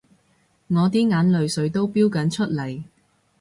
我啲眼淚水都標緊出嚟